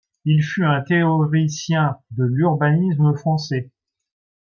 Il fut un théoricien de l'urbanisme français.